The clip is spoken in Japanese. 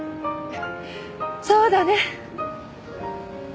そうだね。